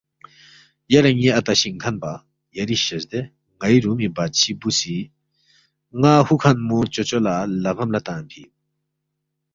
یلے ن٘ی اتا شِنگ کھن پا، یری شزدے، ن٘ئی رُومی بادشی بُو سی ن٘ا ہُوکھنمو چوچو لہ لغم لہ تنگفی اِن